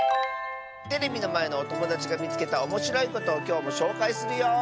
テレビのまえのおともだちがみつけたおもしろいことをきょうもしょうかいするよ！